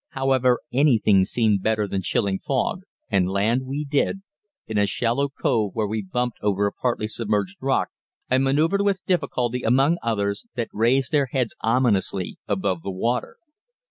However, anything seemed better than chilling fog, and land we did in a shallow cove where we bumped over a partly submerged rock and manoeuvred with difficulty among others, that raised their heads ominously above the water.